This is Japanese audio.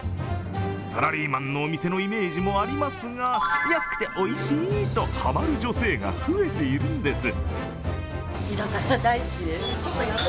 サラリーマンのお店のイメージもありますが安くておいしいとはまる女性が増えているんです。